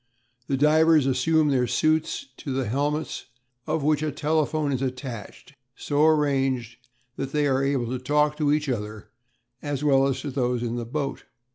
The divers assume their suits, to the helmets of which a telephone is attached, so arranged that they are able to talk to each other as well as to those in the boat.